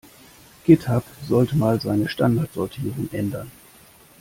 Github sollte mal seine Standardsortierung ändern.